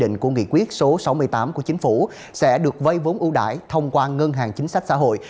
quy định của nghị quyết số sáu mươi tám của chính phủ sẽ được vây vốn ưu đãi thông qua ngân hàng chính sách xã hội